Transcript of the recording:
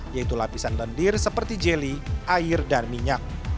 yaitu lapisan lendir seperti jeli air dan minyak